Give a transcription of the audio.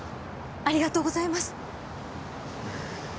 ありがとうございます。